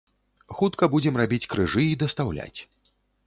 Хутка будзем рабіць крыжы і дастаўляць.